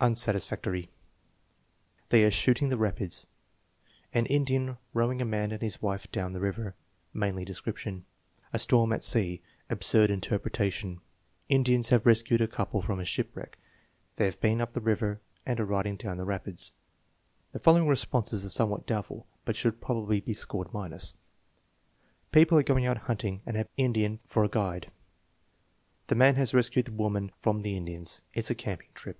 Unsatisfactory. "They are shooting the rapids." "An Indian rowing a man and his wife down the river" (mainly description). "A storm at sea" (absurd interpretation). "Indians have rescued a couple from a shipwreck." "They have been up the river and are riding down the rapids." The following responses are somewhat doubtful, but should probably be scored minus: "People going out hunting and have Indian for a guide." "The man has rescued the woman from the Indians." "It's a camping trip."